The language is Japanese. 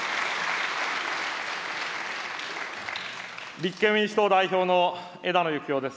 立憲民主党代表の枝野幸男です。